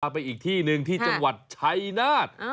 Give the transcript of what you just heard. ไปอีกที่หนึ่งที่จังหวัดชัยนาธ